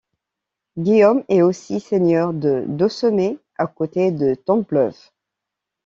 Guillaume est aussi seigneur de Dossemer, à côté de Templeuve.